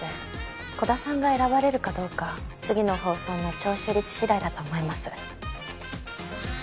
鼓田さんが選ばれるかどうか次の放送の聴取率次第だと思います。